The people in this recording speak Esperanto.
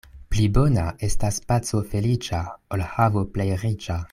Pli bona estas paco feliĉa, ol havo plej riĉa.